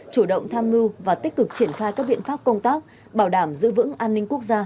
chủ động tham mưu và tích cực triển khai các biện pháp công tác bảo đảm giữ vững an ninh quốc gia